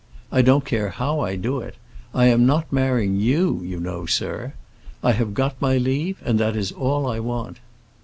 I don't care how I do it. I am not marrying you, you know, sir. I have got my leave, and that is all I want."